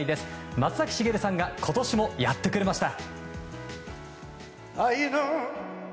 松崎しげるさんが今年もやってくれました。